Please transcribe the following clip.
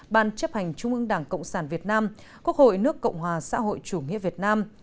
ban chấp hành trung ương đảng cộng sản việt nam quốc hội nước cộng hòa xã hội chủ nghĩa việt nam